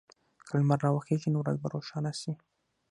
که لمر راوخېژي، نو ورځ به روښانه شي.